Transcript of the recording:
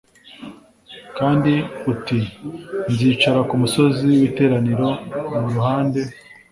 kandi uti “nzicara ku musozi w‘iteraniro mu ruhande